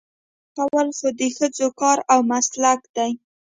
ډوډۍ پخول خو د ښځو کار او مسلک دی.